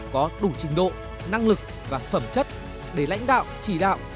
có đủ trình độ năng lực và phẩm chất để lãnh đạo chỉ đạo